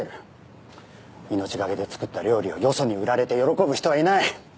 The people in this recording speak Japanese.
命懸けで作った料理をよそに売られて喜ぶ人はいない。